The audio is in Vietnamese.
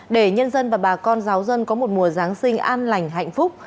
để nhân dân và bà con giáo dân có một mùa giáng sinh an lành hạnh phúc